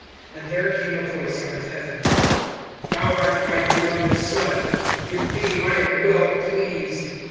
(11)And there came a voice out of heaven: Thou art my beloved son; in thee I am well pleased.